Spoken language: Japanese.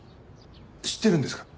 知ってるんですか？